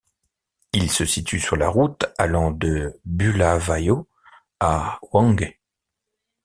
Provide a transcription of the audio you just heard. Il se situe sur la route allant de Bulawayo à Hwange.